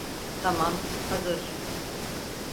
Tamam, hazır.